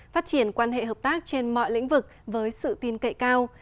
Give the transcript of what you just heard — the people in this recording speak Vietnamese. phát triển quan hệ hợp tác trên mọi lĩnh vực với sự tin cậy cao